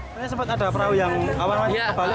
sebenarnya sempat ada perahu yang awal awal di kapal itu